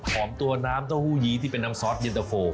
ตัวน้ำเต้าหู้ยี้ที่เป็นน้ำซอสเย็นตะโฟ